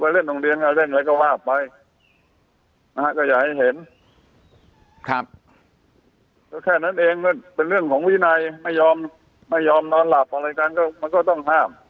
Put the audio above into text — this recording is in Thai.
อันนี้มันเอาอย่างกันบนก็ยุ่ง